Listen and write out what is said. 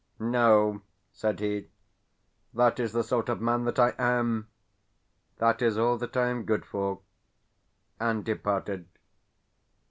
"No," said he, "that is the sort of man that I am that is all that I am good for," and departed.